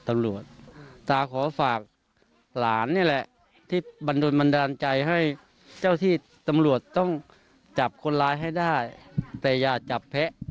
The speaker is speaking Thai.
มันนี่เองคือลูกสาวแบบน้องเอียนแชกนับสองคนนึงนะครับ